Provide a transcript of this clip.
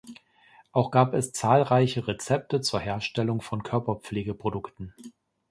Auch gab es zahlreiche Rezepte zur Herstellung von Körperpflege-Produkten.